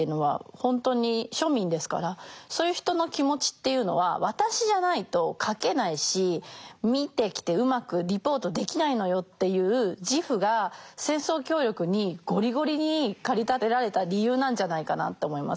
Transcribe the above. そういう人の気持ちっていうのは私じゃないと書けないし見てきてうまくリポートできないのよっていう自負が戦争協力にゴリゴリに駆り立てられた理由なんじゃないかなって思います。